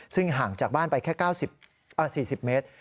ซึ่งห่างจากบ้านไปแค่๙๔๐เมตร